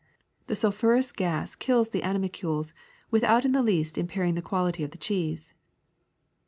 The sulphurous gas kills the animalcules mthout in the least impairing the quality of the cheese.''